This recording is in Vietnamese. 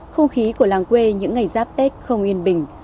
không khí của làng quê những ngày giáp tết không yên bình